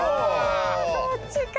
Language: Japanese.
そっちか！